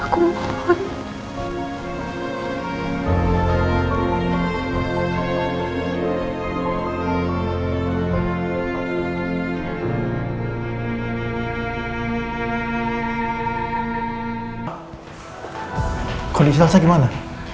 kau disini rasa gimana